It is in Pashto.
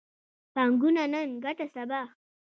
پانګونه نن، ګټه سبا